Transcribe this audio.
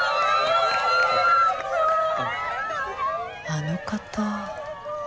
あの方。